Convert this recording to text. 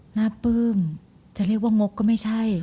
ปลื้มจะเรียกว่างกก็ไม่ใช่